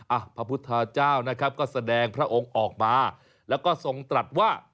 พระพุทธเจ้านะครับก็แสดงพระองค์ออกมาแล้วก็ทรงตรัสว่า